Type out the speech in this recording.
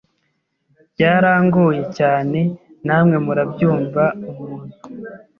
byarangoye cyane namwe murabyumva umuntu